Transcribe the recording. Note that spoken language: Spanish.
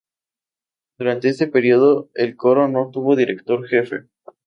Durante este período el coro no tuvo director jefe.